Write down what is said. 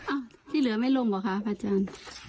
อ้าวที่เหลือไม่ลงหรอคะพระเจน